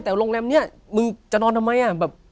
แต่โรงแรมนี้มึงจะนอนทำไมอ่ะแบบ